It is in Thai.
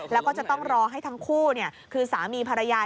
แล้วก็จะต้องรอให้ทั้งคู่คือสามีภรรยา